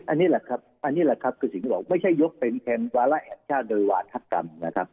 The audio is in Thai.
อันนี้แหละครับคือสิ่งที่บอกไม่ใช่ยกเป็นแทนวาระแห่งชาติโดยวาธกรรม